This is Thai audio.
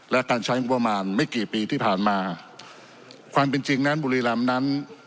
และการใช้งบประมาณไม่กี่ปีที่ผ่านมาความเป็นจริงนั้นบุรีรำนั้น